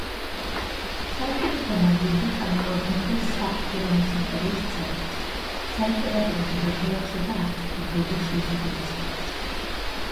საუკუნეთა მანძილზე წარმოადგენდა საღვთო რომის იმპერიის ცენტრს, საიმპერატორო დედაქალაქსა და ჰაბსბურგების რეზიდენციას.